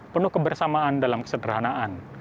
penuh kebersamaan dalam kesederhanaan